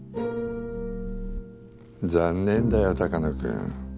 残念だよ鷹野君。